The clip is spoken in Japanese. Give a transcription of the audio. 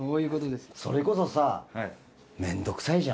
それこそさ。